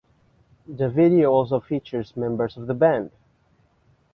The video also features members of the band.